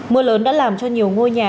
mưa lớn đã làm cho nhiều ngôi nhà